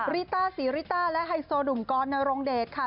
ริต้าศรีริต้าและไฮโซดุมกรณ์นโรงเดชน์ค่ะ